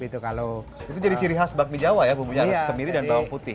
itu jadi ciri khas bakmi jawa ya bumbunya kemiri dan bawang putih